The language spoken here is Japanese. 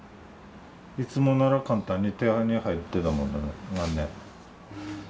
いつもなら簡単に手に入ってたもんだからね毎年。